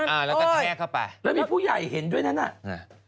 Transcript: อ่าแล้วกระแทกเข้าไปแล้วมีผู้ใหญ่เห็นด้วยนั้นน่ะ